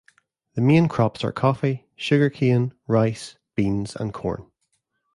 The main crops are coffee, sugarcane, rice, beans, and corn.